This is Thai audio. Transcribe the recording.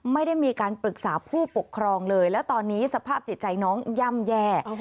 ไม่ได้มีการปรึกษาผู้ปกครองเลยแล้วตอนนี้สภาพจิตใจน้องย่ำแย่